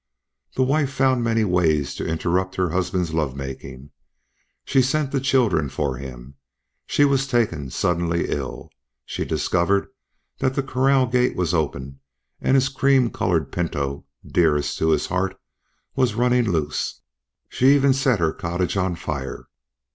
The wife found many ways to interrupt her husband's lovemaking. She sent the children for him; she was taken suddenly ill; she discovered that the corral gate was open and his cream colored pinto, dearest to his heart, was running loose; she even set her cottage on fire.